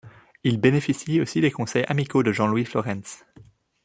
Il bénéficie aussi des conseils amicaux de Jean-Louis Florentz.